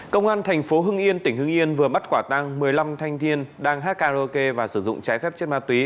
công an thành phố hưng yên tỉnh hưng yên vừa bắt quả tăng một mươi năm thanh thiên đang hát karaoke và sử dụng trái phép chất ma túy